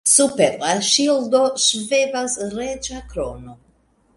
Super la ŝildo ŝvebas reĝa krono.